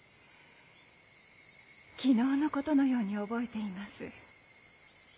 昨日のことのように覚えています。